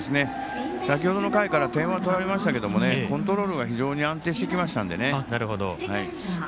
先ほどの回から点は取られましたけどコントロールが非常に安定してきましたのでね。